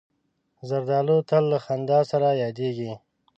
زردالو تل له خندا سره یادیږي.